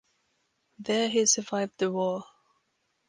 There he survived the war.